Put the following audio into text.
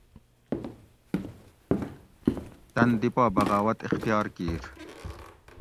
تن دی پا بغاوت اختیار کیر